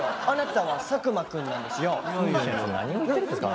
あなたは作間くんなんですよ。